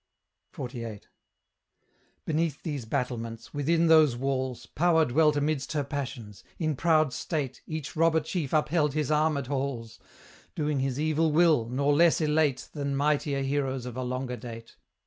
XLVIII. Beneath these battlements, within those walls, Power dwelt amidst her passions; in proud state Each robber chief upheld his armed halls, Doing his evil will, nor less elate Than mightier heroes of a longer date.